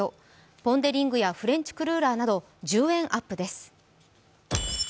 ポン・デ・リングやフレンチクルーラーなど１０円アップです。